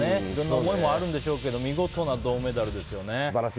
いろんな思いもあるでしょうけど見事な銅メダルですね。